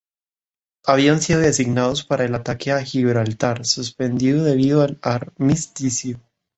Habían sido designados para el ataque a Gibraltar, suspendido debido al Armisticio.